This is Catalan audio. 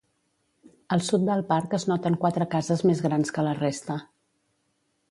Al sud del parc es noten quatre cases més grans que la resta.